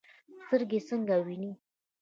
سترګې څنګه ویني؟